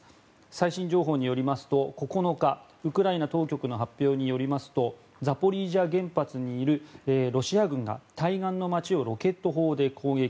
最新情報によりますと９日、ウクライナ当局の発表によりますとザポリージャ原発にいるロシア軍が対岸の町をロケット砲で攻撃。